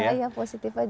iya positif aja